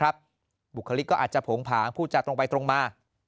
บุคลิกก็อาจจะโผงผางพูดจากตรงไปตรงมา